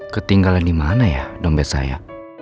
ketinggalan dimana ya dompet saya